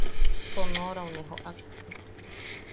Sonorau ne joʼak.